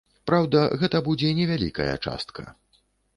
Праўда, гэта будзе невялікая частка.